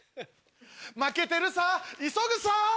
負けてるさ急ぐさ！